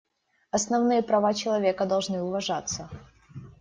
Основные права человека должны уважаться.